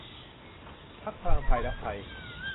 พรรคพลังไทยรักไทย